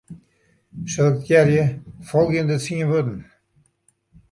Selektearje folgjende tsien wurden.